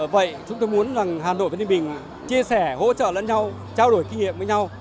vậy chúng tôi muốn hà nội và liên minh chia sẻ hỗ trợ lẫn nhau trao đổi kinh nghiệm với nhau